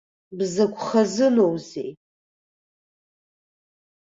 Бзакә хазыноузеи!